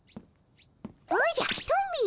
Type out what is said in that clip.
おじゃトミー。